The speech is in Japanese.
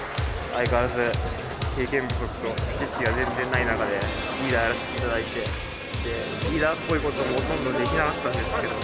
相変わらず経験不足と知識が全然ない中でリーダーやらせて頂いてでリーダーっぽいこともほとんどできなかったんですけど。